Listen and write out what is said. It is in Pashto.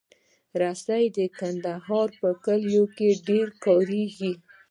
رسۍ د کندهار په کلیو کې ډېره کارېږي.